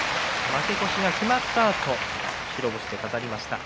負け越しが決まったあと白星で飾りました。